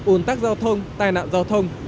un tắc giao thông tai nạn giao thông